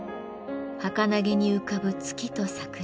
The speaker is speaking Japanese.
はかなげに浮かぶ月と桜。